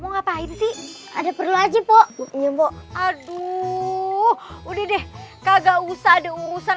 mau ngapain sih ada perlu lagi po aduh udah deh kagak usah ada urusan